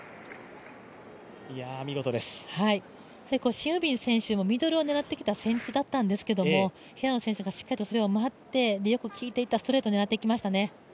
シン・ユビン選手もミドルを狙ってきた戦術だったんですけれども、平野選手がしっかりとそれを待ってよく効いていたストレート狙っていきましたね。